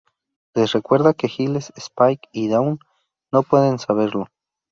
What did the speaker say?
Les recuerda que Giles, Spike y Dawn no pueden saberlo.